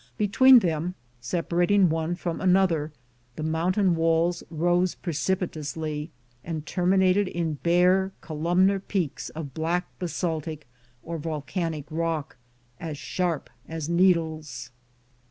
Between them, separating one from another, the mountain walls rose precipitously and terminated in bare, columnar peaks of black basaltic or volcanic rock, as sharp as needles.